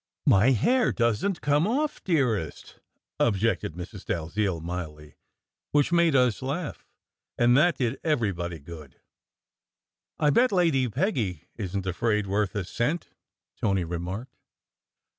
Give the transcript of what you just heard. "My hair doesn t come off, dearest," objected Mrs. Dalziel mildly, which made us laugh; and that did every body good. "I bet Lady Peggy isn t afraid worth a cent," Tony re marked.